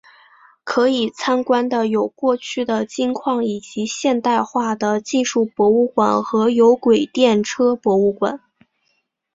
可以参观的有过去的金矿以及现代化的技术博物馆和有轨电车博物馆。